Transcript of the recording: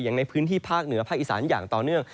อย่างในพื้นที่ภาคเหนือภาคอีสานอย่างต่อเนื่อง